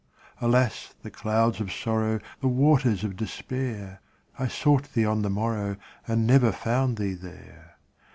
Alas, the clouds of sorrow, The waters of despair ! 1 sought thee on the morrow, And never found thee there.